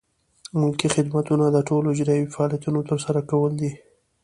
ملکي خدمتونه د ټولو اجرایوي فعالیتونو ترسره کول دي.